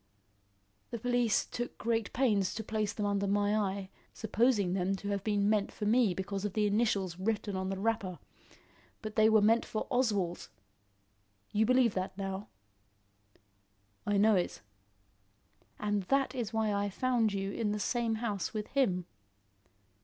"The police took great pains to place them under my eye, supposing them to have been meant for me because of the initials written on the wrapper. But they were meant for Oswald. You believe that now?" "I know it." "And that is why I found you in the same house with him."